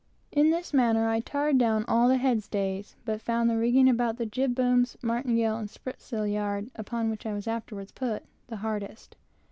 In this manner I tarred down all the head stays, but found the rigging about the jib booms, martingale, and spritsail yard, upon which I was afterwards put, the hardest.